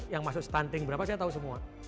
yang masuk stunting berapa saya tahu semua